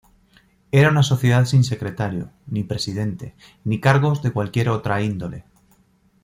Era una sociedad sin secretario, ni presidente, ni cargos de cualquier otra índole.